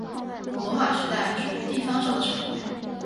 古罗马时代属于地方上的省会。